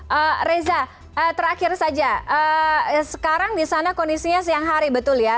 oke reza terakhir saja sekarang di sana kondisinya siang hari betul ya